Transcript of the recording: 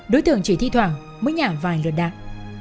đối tượng chỉ thi thoảng mới nhả vài lượt đạn